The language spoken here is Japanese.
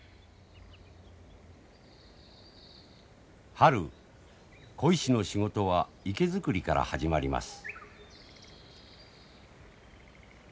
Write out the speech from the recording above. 春鯉師の仕事は池作りから始まります。